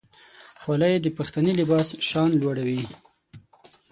خولۍ د پښتني لباس شان لوړوي.